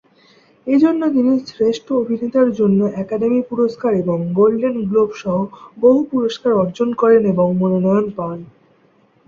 এজন্য তিনি শ্রেষ্ঠ অভিনেতার জন্য একাডেমি পুরস্কার এবং গোল্ডেন গ্লোব সহ বহু পুরস্কার অর্জন করেন এবং মনোনয়ন পান।